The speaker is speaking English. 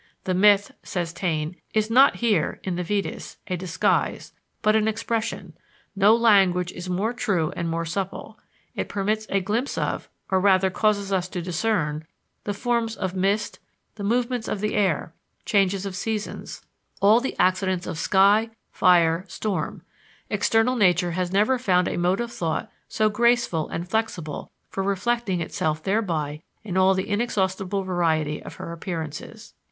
"The myth," says Taine, "is not here (in the Vedas) a disguise, but an expression; no language is more true and more supple: it permits a glimpse of, or rather causes us to discern, the forms of mist, the movements of the air, change of seasons, all the accidents of sky, fire, storm: external nature has never found a mode of thought so graceful and flexible for reflecting itself thereby in all the inexhaustible variety of her appearances.